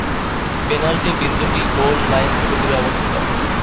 Penalty বিন্দুটি goal line থেকে দূরে অবস্থিত।